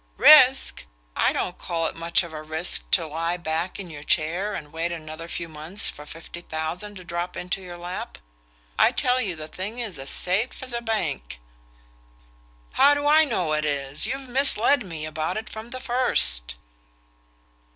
"Risk? I don't call it much of a risk to lie back in your chair and wait another few months for fifty thousand to drop into your lap. I tell you the thing's as safe as a bank." "How do I know it is? You've misled me about it from the first."